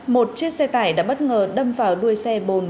một chiếc xe tải đã bất ngờ đâm vào đuôi xe bồn